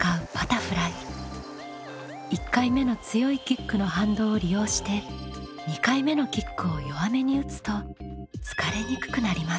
１回目の強いキックの反動を利用して２回目のキックを弱めに打つと疲れにくくなります。